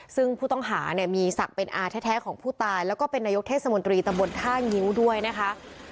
ซึ่งผู้ต้องหาเนี่ยมีศักดิ์เป็นอาแท้ของผู้ตายแล้วก็เป็นนายกเทศมนตรีตำบลท่างิ้วด้วยนะคะ